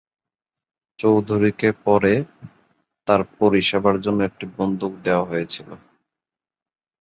চৌধুরীকে পরে তার পরিষেবার জন্য একটি বন্দুক দেওয়া হয়েছিল।